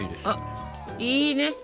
あっいいね！